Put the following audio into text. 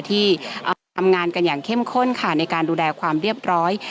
ที่ทำงานกันอย่างเข้มข้นค่ะในการดูแลความเรียบร้อย